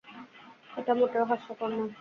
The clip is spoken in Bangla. এটা মোটেও হাস্যকর নয়!